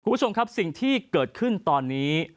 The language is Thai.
คุณผู้ชมครับสิ่งที่เกิดขึ้นตอนนี้